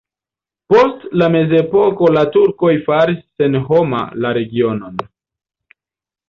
Post la mezepoko la turkoj faris senhoma la regionon.